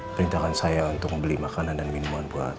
perintahkan saya untuk membeli makanan dan minuman buat